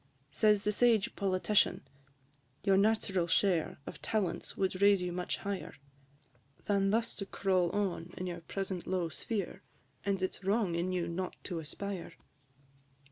Says the sage Politician, "Your natural share Of talents would raise you much higher, Than thus to crawl on in your present low sphere, And it 's wrong in you not to aspire."